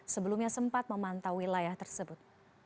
sebelumnya sempat memantau wilayah tersebut